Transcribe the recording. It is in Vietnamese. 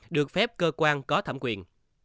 được phép cơ quan có thẩm quyền